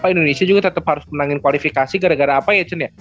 indonesia juga tetep harus menangin kualifikasi gara gara apa ya cen ya